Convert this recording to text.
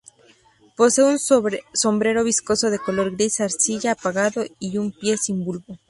Posee un sombrero viscoso de color gris arcilla apagado y un pie sin bulbo.